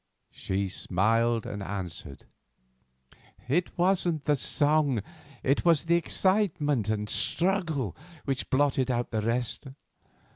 She smiled and answered. "It wasn't the song; it was the excitement and struggle which blotted out the rest.